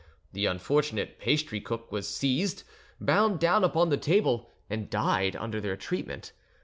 The unfortunate pastry cook was seized, bound down upon the table, and died under their treatment.